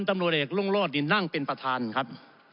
ตำรวจเอกรุ่งโรธนี่นั่งเป็นประธานครับ